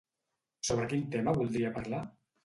Sobre quin tema voldria parlar?